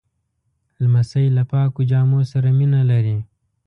لمسی له پاکو جامو سره مینه لري.